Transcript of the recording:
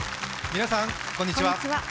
皆さん、こんにちは。